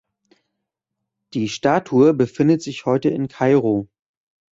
Die Statue befindet sich heute in Kairo.